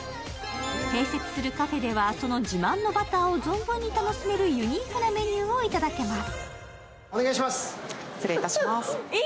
併設するカフェではその自慢のバターを存分に楽しめるユニークなメニューをいただけます。